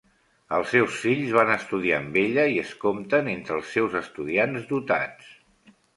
Els seus fills van estudiar amb ella i es compten entre els seus estudiants dotats.